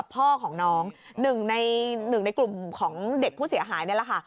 พ่อของน้องหนึ่งในหนึ่งในกลุ่มของเด็กผู้เสียหายนี่แหละค่ะ